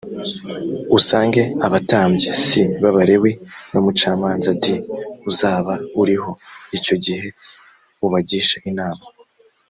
usange abatambyi c b abalewi n umucamanza d uzaba uriho icyo gihe ubagishe inama